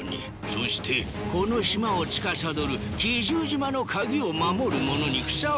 そしてこの島をつかさどる奇獣島の鍵を守る者にふさわしい。